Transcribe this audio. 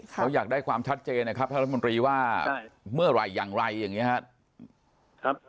เขาอยากได้ความชัดเจนนะครับท่านรัฐมนตรีว่าเมื่อไหร่อย่างไรอย่างนี้ครับ